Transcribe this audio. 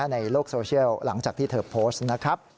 ในโลกโซเชียลหลังจากที่เธอโพสต์นะครับ